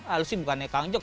ah lo sih bukannya kangjok